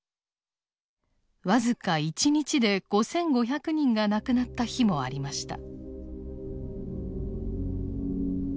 僅か一日で５，５００人が亡くなった日もありました。